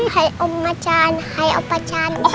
hai oma chan hai opa chan